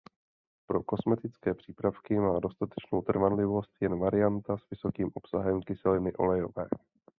Pro kosmetické přípravky má dostatečnou trvanlivost jen varianta s vysokým obsahem kyseliny olejové.